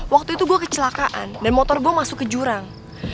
waktu itu gue kecelakaan dan motor gue masuk ke jurang